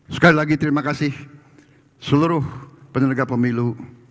sekali lagi terima kasih seluruh penyelenggara pemilu